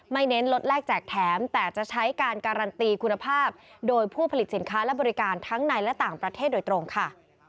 เน้นลดแลกแจกแถมแต่จะใช้การการันตีคุณภาพโดยผู้ผลิตสินค้าและบริการทั้งในและต่างประเทศโดยตรงค่ะ